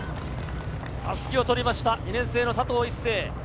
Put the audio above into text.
襷を取りました、２年生の佐藤一世。